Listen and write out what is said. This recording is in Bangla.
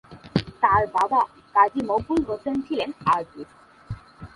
তার বাবা কাজী মকবুল হোসেন ছিলেন আর্টিস্ট।